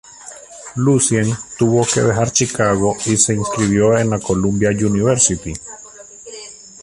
Lucien tuvo que dejar Chicago y se inscribió en la Columbia University.